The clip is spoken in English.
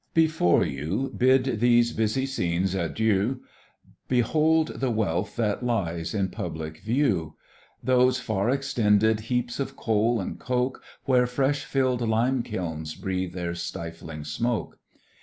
Before you bid these busy scenes adieu, Behold the wealth that lies in public view, Those far extended heaps of coal and coke, Where fresh fill'd lime kilns breathe their stifling smoke.